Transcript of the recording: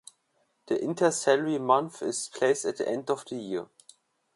The intercalary month is placed at the end of the year.